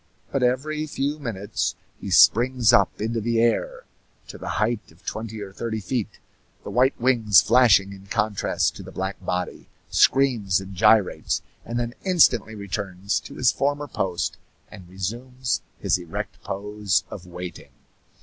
But every few minutes he springs up into the air to the height of twenty or thirty feet, the white wings flashing in contrast to the black body, screams and gyrates, and then instantly returns to his former post and resumes his erect pose of waiting.